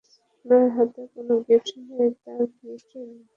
ওনার হাতে কোনো গিফট নেই তাও গিফট দিবে বলে গেল।